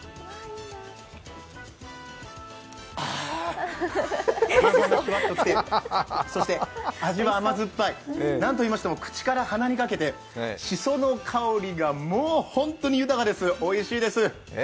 ああ炭酸がシュワッときて、そして味は甘酸っぱい、何といいましても口から鼻にかけてしその香りが、もうホントに豊かです、おいしいです。